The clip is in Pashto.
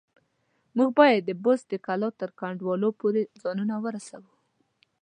موږ بايد د بست د کلا تر کنډوالو پورې ځانونه ورسوو.